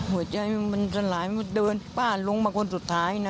หัวใจมันสลายมันเดินป้าลงมาคนสุดท้ายนะ